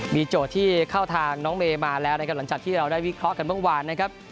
มีโจทย์ที่เข้าทางน้องเมย์มาแล้วนะครับหลังจากที่เราได้วิเคราะห์กันเมื่อวานนะครับ